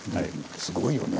すごいよね。